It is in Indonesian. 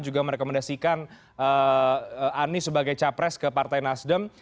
juga merekomendasikan anies sebagai capres ke partai nasdem